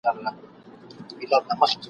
شاوخوا پر طبیبانو ګرځېدله ..